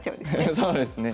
そうですね。